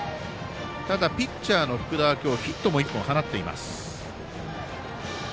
ただ、ピッチャーの福田は今日ヒットも１本、放っています。